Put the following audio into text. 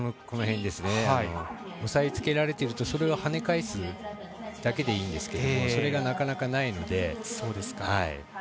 押さえつけられているとそれを跳ね返すだけでいいんですけどそれがなかなかないので。